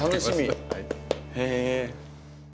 へえ。